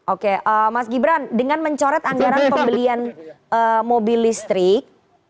oke mas gibran dengan mencoret anggaran pembelian mobil listrik